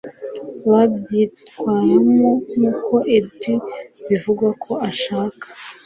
babyitwaramo nkuko Edu bivugwa ko ashaka